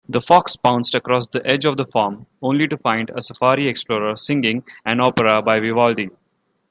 The fox pounced across the edge of the farm, only to find a safari explorer singing an opera by Vivaldi.